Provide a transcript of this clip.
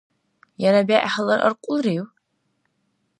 Яра бегӀ гьалар аркьулрив?